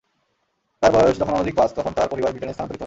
তার বয়স যখন অনধিক পাঁচ, তখন তার পরিবার ব্রিটেনে স্থানান্তরিত হয়।